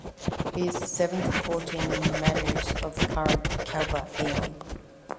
He is the seventh of the fourteen Manus of the current "kalpa (aeon)".